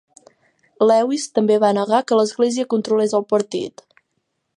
Lewis també va negar que l'església controlés el partit.